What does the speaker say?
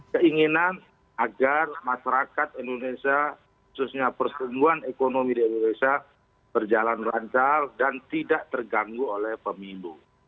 keinginan agar masyarakat indonesia khususnya pertumbuhan ekonomi di indonesia berjalan lancar dan tidak terganggu oleh pemilu